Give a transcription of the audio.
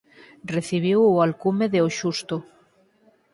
Recibiu o alcume de "O Xusto".